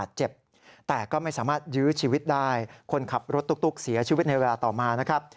ทรุกเสียชีวิตในเวลาต่อมานะครับ